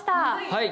はい。